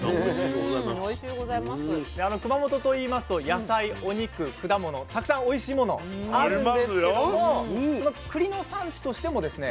で熊本といいますと野菜お肉果物たくさんおいしいものあるんですけどもそのくりの産地としてもですね